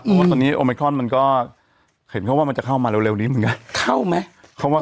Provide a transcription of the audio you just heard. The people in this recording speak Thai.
เพราะว่าตอนนี้โอไมครอนมันก็เห็นเขาว่ามันจะเข้ามาเร็วนี้เหมือนกันเข้าไหม